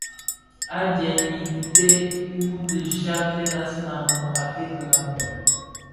Adyèm i dhikèn dü di nshaaktèn; Asèn a Rimoh a ted kilami.